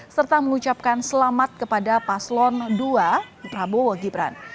serta mengucapkan selamat kepada paslon dua prabowo gibran